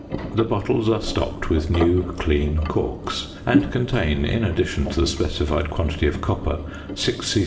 The bottles are stopped with new clean corks, and contain, in addition to the specified quantity of copper, 6 c.c.